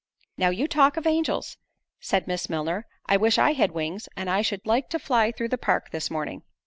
"Now you talk of angels," said Miss Milner, "I wish I had wings; and I should like to fly through the park this morning."